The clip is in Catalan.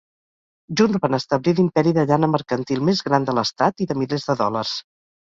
Junts van establir l'imperi de llana mercantil més gran de l'estat i de milers de dòlars.